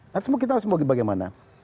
nanti kita harus bagaimana